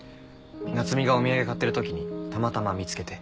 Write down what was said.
夏海がお土産買ってるときにたまたま見つけて。